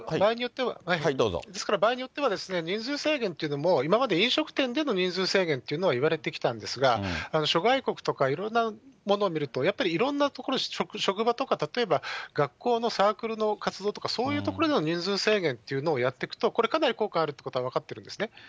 ですから場合によっては、人数制限というのも、今まで飲食店での人数制限というのはいわれてきたんですが、諸外国とか、いろんなものを見ると、やっぱりいろんな所、職場とか、例えば学校のサークルの活動とか、そういうところでの人数制限というのをやっていくと、これ、かなり効果があることは分かってるんですね。